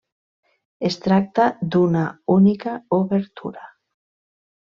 Es tracta d'una única obertura.